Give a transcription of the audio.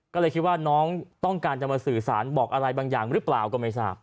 ก็เลยคิดว่าน้องต้องการจะมาสื่อสารบอกอะไรบางอย่างหรือเปล่าก็ไม่ทราบ